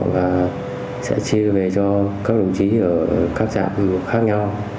và sẽ chia về cho các đồng chí ở các trạm khác nhau